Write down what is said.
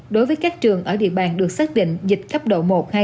đối với các trường ở địa bàn được xác định dịch khắp độ một hai ba